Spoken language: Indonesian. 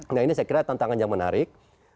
nah ini saya kira tantangan yang menarik